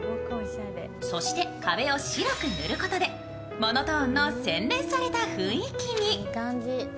そして壁を白く塗ることで、モノトーンの洗練された雰囲気に。